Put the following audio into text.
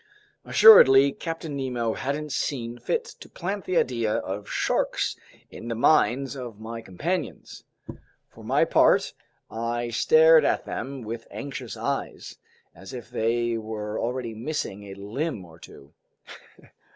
Assuredly, Captain Nemo hadn't seen fit to plant the idea of sharks in the minds of my companions. For my part, I stared at them with anxious eyes, as if they were already missing a limb or two.